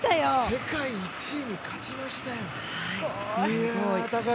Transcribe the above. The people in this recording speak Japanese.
世界１位に勝ちましたよ。